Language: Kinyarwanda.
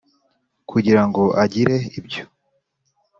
kugira ngo agire ibyo